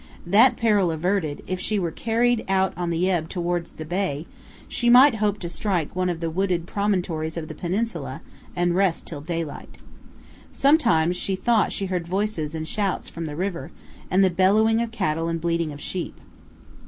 That peril averted, if she were carried out on the ebb toward the bay, she might hope to strike one of the wooded promontories of the peninsula, and rest till daylight. Sometimes she thought she heard voices and shouts from the river, and the bellowing of cattle and bleating of sheep.